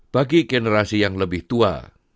bagi generasi yang lebih tua